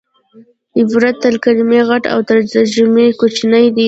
عبارت تر کلیمې غټ او تر جملې کوچنی دئ